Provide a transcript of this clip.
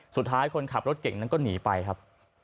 สุดท้ายคนขับรถเก่งนั้นก็หนีไปครับ